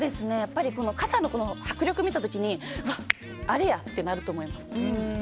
肩の迫力を見た時にあれや！ってなると思います。